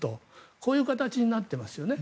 こういう形になってますよね。